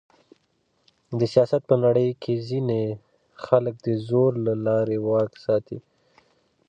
د سیاست په نړۍ کښي ځينې خلک د زور له لاري واک ساتي.